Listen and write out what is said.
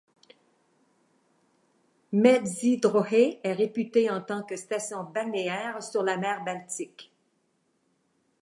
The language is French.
Międzyzdroje est réputée en tant que station balnéaire sur la mer Baltique.